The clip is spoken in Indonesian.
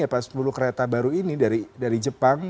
apa sepuluh kereta baru ini dari jepang